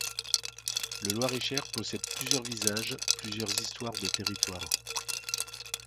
Le Loir-et-Cher possède plusieurs visages, plusieurs histoires de territoires.